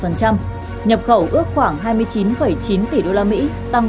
nhập khẩu ước khoảng hai mươi chín chín tỷ usd tăng một mươi ba một